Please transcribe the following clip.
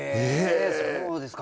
そうですか！